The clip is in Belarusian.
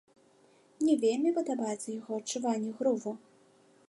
Мне вельмі падабаецца яго адчуванне груву.